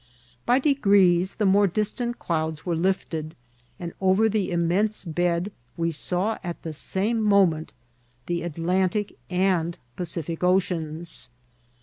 By degrees the more distant clouds were lifted, and over the immense bed we saw at the same moment the Atlantic and Pacific Oceans.